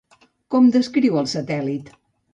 Com descriu el satèl·lit?